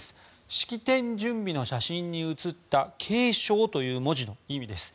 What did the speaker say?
式典準備の写真に写った継承という文字の意味です。